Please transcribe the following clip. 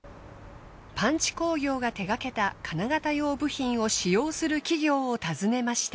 パンチ工業が手がけた金型用部品を使用する企業を尋ねました。